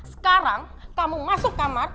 sekarang kamu masuk kamar